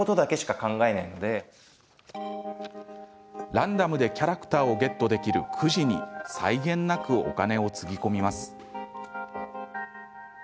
ランダムでキャラクターをゲットできるくじに際限なくお金をつぎ込みます。